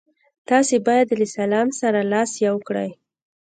تاسي باید له اسلام سره لاس یو کړئ.